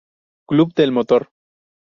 Club de Motor.